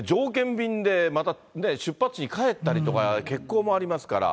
便でまたね、出発地に帰ったりとか、欠航もありますから。